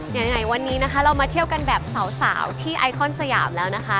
ยังไงวันนี้นะคะเรามาเที่ยวกันแบบสาวที่ไอคอนสยามแล้วนะคะ